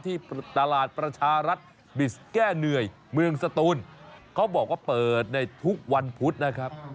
ที่ตลาดประชารัฐบิสแก้เหนื่อยเมืองสตูนเขาบอกว่าเปิดในทุกวันพุธนะครับ